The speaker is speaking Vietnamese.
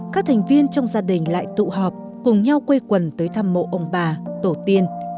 các thành viên trong gia đình lại tụ họp cùng nhau quây quần tới thăm mộ ông bà tổ tiên